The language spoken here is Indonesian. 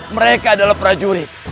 mereka adalah prajurit